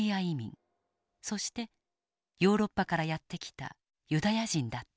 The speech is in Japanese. そしてヨーロッパからやって来たユダヤ人だった。